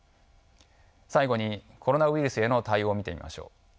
最後にコロナウイルスへの対応を見てみましょう。